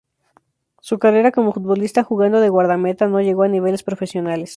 Su carrera como futbolista, jugando de guardameta, no llegó a niveles profesionales.